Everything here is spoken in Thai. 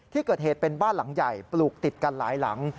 ที่เกิดเหตุเป็นบ้านหลังใหญ่ปลูกติดกันหลายหลัง